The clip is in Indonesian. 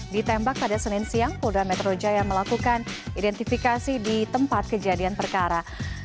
ditembak pada senin siang polda metro jaya melakukan identifikasi di tempat kejadian perkara